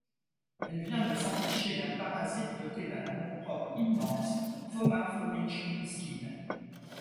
Elle vient de s’enticher d’un parasite doté d’un amour-propre immense, Foma Fomitch Opiskine.